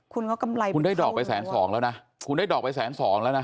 คุณได้ดอกไปแสนสองแล้วนะ